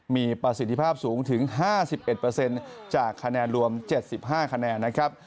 มีประสิทธิภาพสูงถึง๕๑จากคะแนนรวม๗๕คะแนนนะครับ